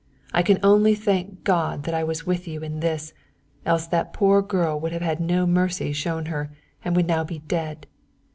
I can only thank God that I was with you in this, else that poor girl would have had no mercy shown her and would now be dead.